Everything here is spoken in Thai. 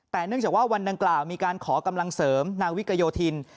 แต่เนื่องจากว่าวันดังกล่าวมีการขอกำลังเสริมนาวิกโยธิน